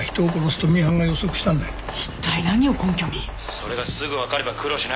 それがすぐ分かれば苦労しない。